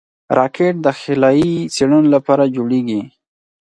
راکټ د خلایي څېړنو لپاره جوړېږي